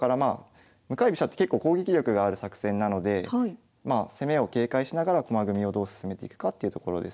向かい飛車って結構攻撃力がある作戦なので攻めを警戒しながら駒組みをどう進めていくかっていうところですね。